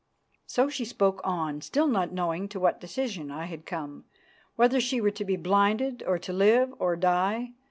So she spoke on, still not knowing to what decision I had come; whether she were to be blinded or to live or die.